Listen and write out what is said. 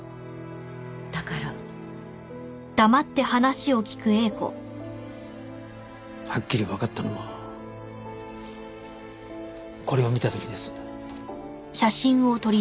だから。はっきりわかったのはこれを見た時です。